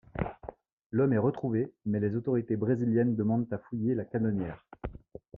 L'homme est retrouvé, mais les autorités brésiliennes demandent à fouiller la canonnière.